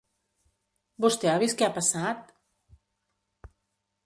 Vostè ha vist què ha passat?